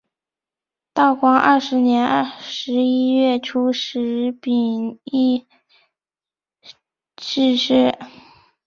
道光二十年十一月初十丙寅逝世。